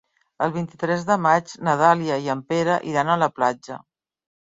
El vint-i-tres de maig na Dàlia i en Pere iran a la platja.